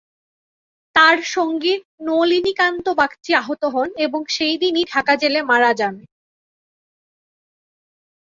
তার সঙ্গী নলিনীকান্ত বাগচী আহত হন এবং সেই দিনই ঢাকা জেলে মারা যান।